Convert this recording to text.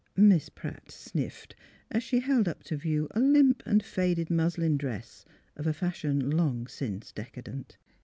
Miss Pratt sniffed, as she held up to view a limp and faded muslin dress of a fashion long since decadent.